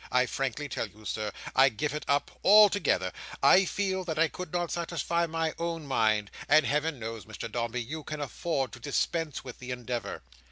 I frankly tell you, Sir, I give it up altogether. I feel that I could not satisfy my own mind; and Heaven knows, Mr Dombey, you can afford to dispense with the endeavour."